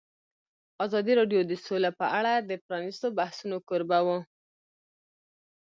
ازادي راډیو د سوله په اړه د پرانیستو بحثونو کوربه وه.